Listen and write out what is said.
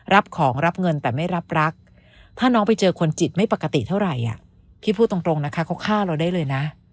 รับของรับเงินแต่ไม่รับรักถ้าน้องไปเจอคนจิตไม่ปกติเท่าไหร่พี่พูดตรงนะคะเขาฆ่าเราได้เลยนะ